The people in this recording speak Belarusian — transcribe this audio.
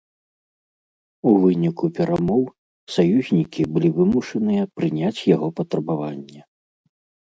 У выніку перамоў саюзнікі былі вымушаныя прыняць яго патрабаванне.